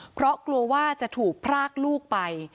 เพราะกลัวว่าจะถูกพรากลูกไป